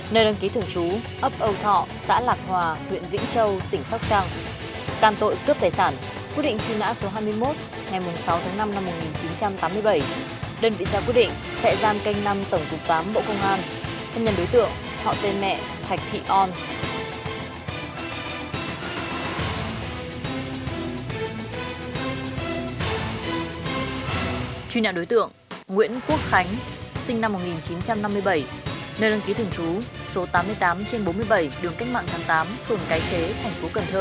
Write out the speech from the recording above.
nơi đăng ký thường trú úc nhân thọ mội xã nhân ái huyện châu thành a tỉnh hậu giang